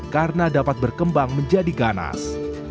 karena dapat berkembang menjadi ganas